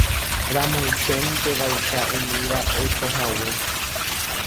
ramoiténtevaicha umíva oikohague